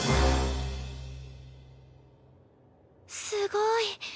すごい。